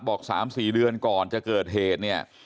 ๓๔เดือนก่อนจะเกิดเหตุเนี่ย